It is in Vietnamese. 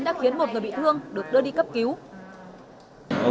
đã khiến một người bị thương được đưa đi cấp cứu